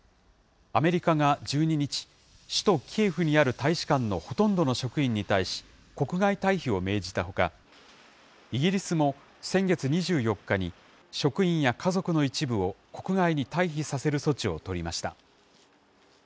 アメリカが１２日、首都キエフにある大使館のほとんどの職員に対し、国外退避を命じたほか、イギリスも先月２４日に職員や家族の一部を国外に退避させる措置を取りました。